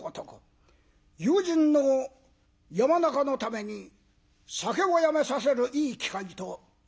友人の山中のために酒をやめさせるいい機会と。